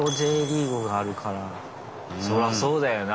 そらそうだよな